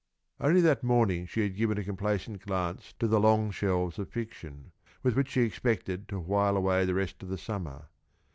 Only that morning she had given a complacent glance to the long shelves of fiction, with which she expected to while away the rest of the summer.